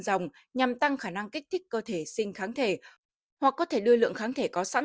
dòng nhằm tăng khả năng kích thích cơ thể sinh kháng thể hoặc có thể đưa lượng kháng thể có sẵn